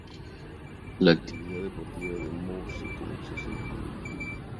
La actividad deportiva de Moure comenzó siendo muy niño.